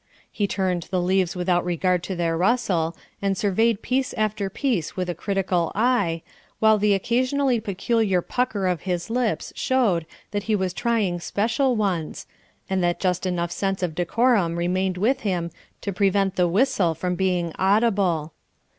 He turned the leaves without regard to their rustle, and surveyed piece after piece with a critical eye, while the occasionally peculiar pucker of his lips showed that he was trying special ones, and that just enough sense of decorum remained with him to prevent the whistle from being audible.